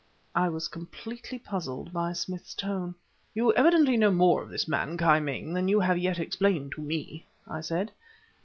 I was completely puzzled by Smith's tone. "You evidently know more of this man, Ki Ming, than you have yet explained to me," I said.